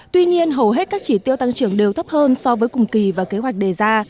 tuy nhiên hầu hết các chỉ tiêu tăng trưởng đều thấp hơn so với cùng kỳ và kế hoạch đề ra